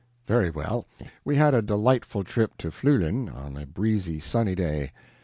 Very well, we had a delightful trip to Fluelen, on a breezy, sunny day.